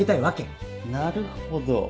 なるほど。